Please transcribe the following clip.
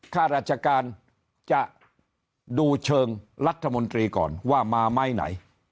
ข้าราชการจะดูเชิงรัฐมนตรีก่อนว่ามาไหมไหน